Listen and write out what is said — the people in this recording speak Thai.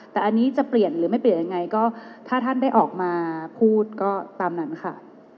แต่อันนี้จะเปลี่ยนหรือไม่เปลี่ยนยังไงก็ถ้าท่านได้ออกมาพูดก็ตามนั้นค่ะ